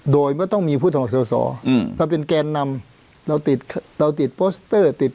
โดยไม่ต้องมีผู้สมัครส่อส่ออืมเราเป็นแกนนำเราติดเราติด